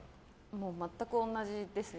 もう全く同じですね。